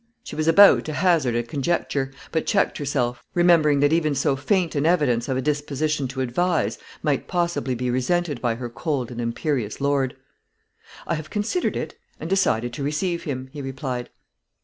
She was about to hazard a conjecture, but checked herself, remembering that even so faint an evidence of a disposition to advise might possibly be resented by her cold and imperious lord. "I have considered it, and decided to receive him," he replied.